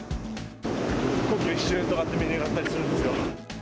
皇居一周とかってメニューがあったりとかするんですよ。